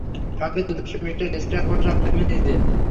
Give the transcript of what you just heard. সঙ্গে দুর্ধষ্য Mr Stavros আর তুমি নিজে।